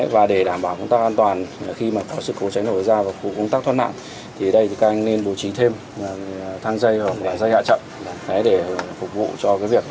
và để đảm bảo công tác an toàn khi có sự cố cháy nổ ra và phụ công tác thoát nạn thì các anh nên bố trí thêm thang dây và dây hạ chậm để phục vụ cho việc